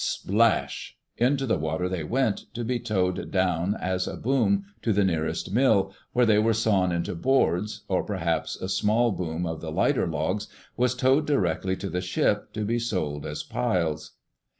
Splash! Into the water they went, to be towed down as a boom to the nearest mill, where they were sawn into boards; or perhaps a small boom of the lighter logs was towed directly to the ship, to be sold as piles.